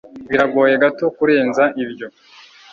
Biragoye gato kurenza ibyo.